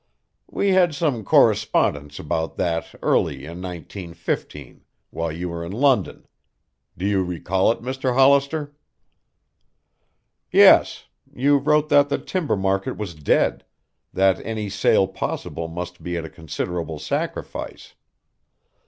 We had some correspondence about that early in 1915, while you were in London. Do you recall it, Mr. Hollister?" "Yes. You wrote that the timber market was dead, that any sale possible must be at a considerable sacrifice.